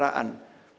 memastikan agar mereka